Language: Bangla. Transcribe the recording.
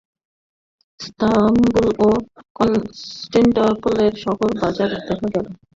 স্তাম্বুল বা কনষ্টাণ্টিনোপলের শহর বাজার দেখা গেল।